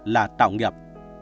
là tạo nghiệp